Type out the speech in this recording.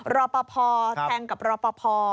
รอปภแทงกับรอปภ